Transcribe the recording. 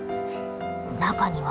中には。